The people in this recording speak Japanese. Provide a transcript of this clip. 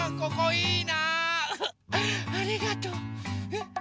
ここいいなウフ。